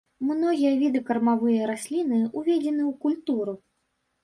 Многія віды кармавыя расліны, уведзены ў культуру.